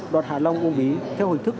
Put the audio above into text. đoạn hạ long uông bí theo hình thức